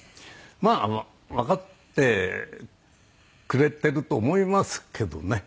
まあわかってくれてると思いますけどね。